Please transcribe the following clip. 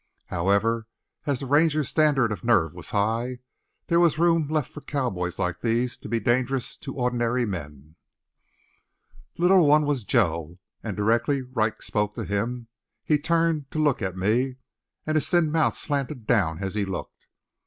However, as the Rangers' standard of nerve was high, there was room left for cowboys like these to be dangerous to ordinary men. The little one was Joe, and directly Wright spoke to him he turned to look at me, and his thin mouth slanted down as he looked.